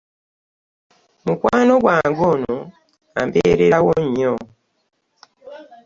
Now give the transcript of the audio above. mukwano gwange ono ambeererawo nnyo.